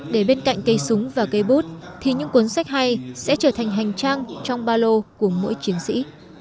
để bên cạnh cây súng và cây bút thì những cuốn sách hay sẽ trở thành hành trang trong ba lô của mỗi chiến sĩ